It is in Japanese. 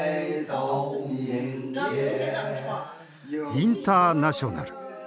「インターナショナル」。